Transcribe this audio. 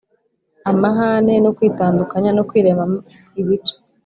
amahane, no kwitandukanya, no kwirema ibice,